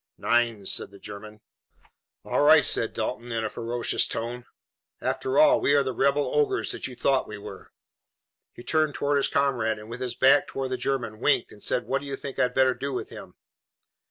"Nein," said the German. "All right," said Dalton in a ferocious tone. "After all, we are the rebel ogres that you thought we were." He turned toward his comrade and, with his back toward the German, winked and said: "What do you think I'd better do with him?"